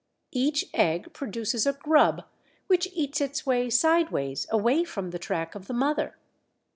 Each egg produces a grub which eats its way sideways away from the track of the mother.